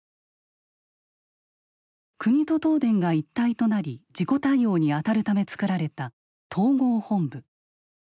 国と東電が一体となり事故対応にあたるため作られた統合本部。